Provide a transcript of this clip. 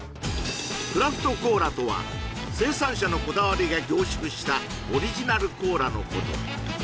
クラフトコーラとは生産者のこだわりが凝縮したオリジナルコーラのこと